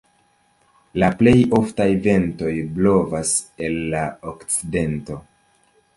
La plej oftaj ventoj blovas el la okcidento.